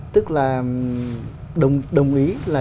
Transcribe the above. tức là đồng ý là